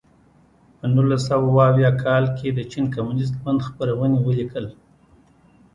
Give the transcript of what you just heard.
په نولس سوه اووه اویا کال کې د چین کمونېست ګوند خپرونې ولیکل.